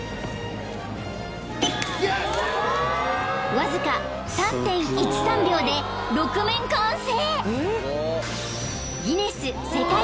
［わずか３．１３秒で６面完成］